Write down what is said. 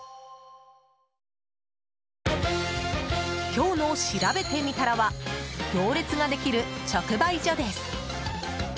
今日のしらべてみたらは行列ができる直売所です。